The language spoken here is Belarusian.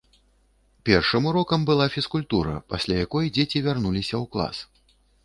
Першым урокам была фізкультура, пасля якой дзеці вярнуліся ў клас.